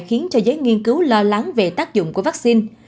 khiến cho giới nghiên cứu lo lắng về tác dụng của vaccine